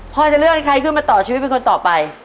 จะเลือกให้ใครขึ้นมาต่อชีวิตเป็นคนต่อไป